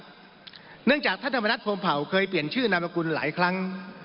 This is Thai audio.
เนื่องจากท่านธรรมนัฐพรมเผาเคยเปลี่ยนชื่อนามสกุลหลายครั้ง